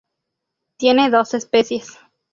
Tiene dos especies.